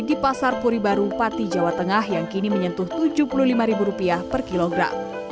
di pasar puri baru pati jawa tengah yang kini menyentuh rp tujuh puluh lima per kilogram